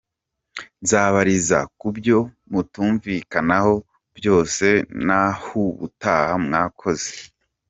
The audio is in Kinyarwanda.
nzababariza kubyo mutunvikanaho byose nahubutaha mwakoze.